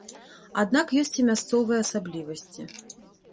Аднак ёсць і мясцовыя асаблівасці.